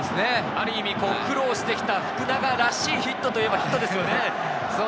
ある意味、苦労してきた福永らしいヒットと言えばヒットですね。